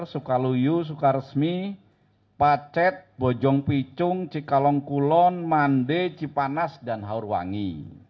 sukaluyu sukaresmi pacet bojongpicung cikalongkulon mande cipanas dan haurwangi